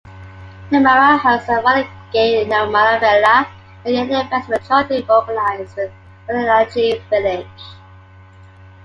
Nemmara hosts the "Vallanghi Nenmara Vela", a yearly festival jointly organised with Vallangi village.